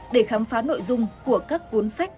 để khám phá nội dung của các cuốn sách